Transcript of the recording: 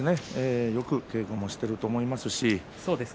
よく稽古もしていると思います。